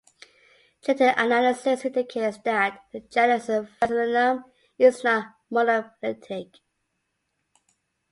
Genetic analysis indicates that the genus "Vaccinium" is not monophyletic.